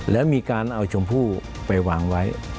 แล้วมีการเอาชมพู่ไปวางไว้